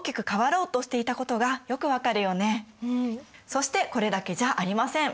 そしてこれだけじゃありません。